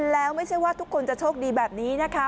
แล้วไม่ใช่ว่าทุกคนจะโชคดีแบบนี้นะคะ